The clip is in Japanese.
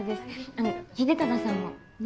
あの秀忠さんもね？